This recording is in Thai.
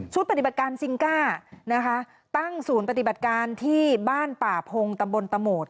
ปฏิบัติการซิงก้านะคะตั้งศูนย์ปฏิบัติการที่บ้านป่าพงตำบลตะโหมด